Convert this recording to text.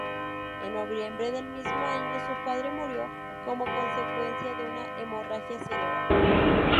En noviembre del mismo año su padre murió como consecuencia de una hemorragia cerebral.